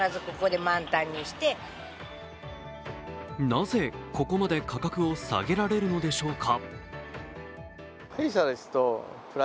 なぜ、ここまで価格を下げられるのでしょうか。